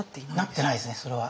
なってないですねそれは。